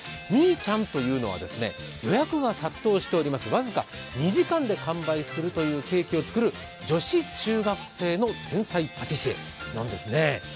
みいちゃんというのは、予約が殺到しております、僅か２時間で完売するというケーキを作る女子中学生の天才パティシエなんですね。